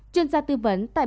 chuyên gia tư vấn tại bắc đông